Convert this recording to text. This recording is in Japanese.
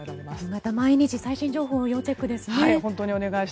また毎日最新情報を要チェックですね。